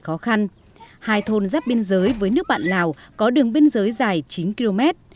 hai thôn giáp biên giới với nước bạn lào có đường biên giới dài chín km